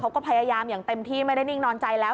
เขาก็พยายามอย่างเต็มที่ไม่ได้นิ่งนอนใจแล้ว